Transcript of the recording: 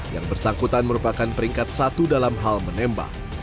yang bersangkutan merupakan peringkat satu dalam hal menembak